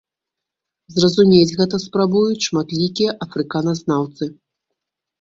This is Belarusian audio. Зразумець гэта спрабуюць шматлікія афрыканазнаўцы.